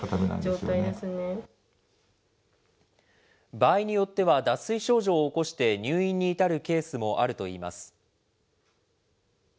場合によっては、脱水症状を起こして入院に至るケースもあるといいます。